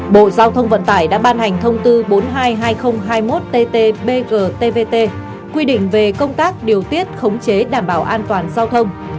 bộ giao thông vận tải đã ban hành thông tư bốn trăm hai mươi hai nghìn hai mươi một ttbgtvt quy định về công tác điều tiết khống chế đảm bảo an toàn giao thông